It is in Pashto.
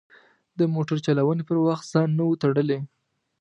د موټر چلونې پر وخت ځان نه و تړلی.